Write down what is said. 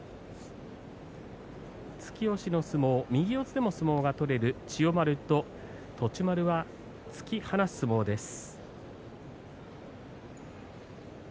突き押しの相撲、右四つでも相撲が取れる千代丸と栃丸は突き放す相撲です。